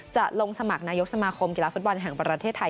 จะลงสมัครนายกสมาคมกีฬาฟุตบอลแห่งประเทศไทย